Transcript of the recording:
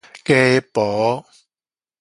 家婆